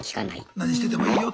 何しててもいいよと。